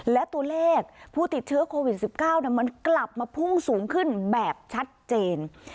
และตัวเลขผู้ติดเชื้อโควิด๑๙มันกลับมาพุ่งสูงขึ้นแบบชัดเจน